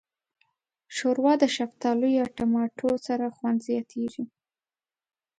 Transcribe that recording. ښوروا د شفتالو یا ټماټو سره خوند زیاتیږي.